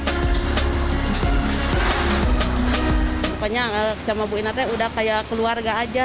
pokoknya sama bu inatnya udah kayak keluarga aja